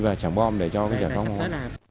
và trảng bom để cho trảng bom hóa